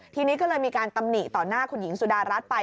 ทีนี้ก็เลยมีการตำหนิต่อหน้าคุณหญิงสุดารัฐไป